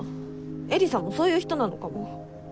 絵里さんもそういう人なのかも。